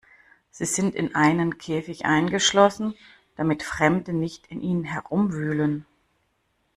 Sie sind in einen Käfig eingeschlossen, damit Fremde nicht in ihnen herumwühlen.